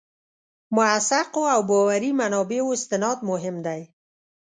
موثقو او باوري منابعو استناد مهم دی.